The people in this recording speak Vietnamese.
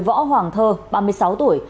võ hoàng thơ ba mươi sáu tuổi